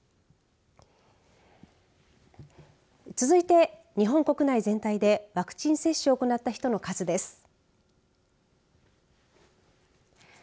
続いて、日本国内全体でワクチン接種を行った人の数です。